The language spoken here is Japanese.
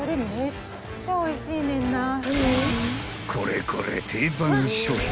［これこれ定番商品］